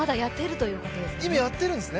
今やってるんですね。